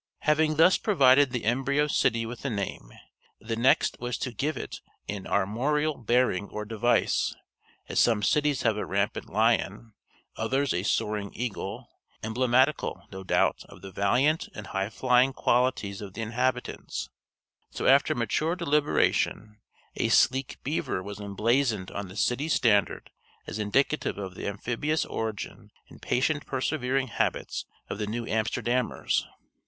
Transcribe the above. Having thus provided the embryo city with a name, the next was to give it an armorial bearing or device, as some cities have a rampant lion, others a soaring eagle; emblematical, no doubt, of the valiant and high flying qualities of the inhabitants: so after mature deliberation a sleek beaver was emblazoned on the city standard as indicative of the amphibious origin and patient persevering habits of the New Amsterdamers.